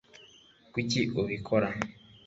kuki ubikora